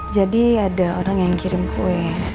jadi ada orang yang kirim kue